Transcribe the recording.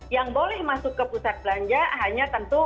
yang boleh masuk ke pusat belanja hanya tentu